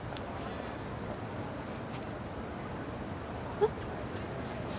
・えっ。